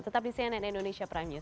tetap di cnn indonesia prime news